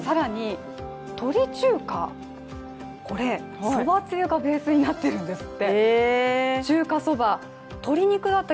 鳥中華、これ、そばつゆがベースになってるんですって。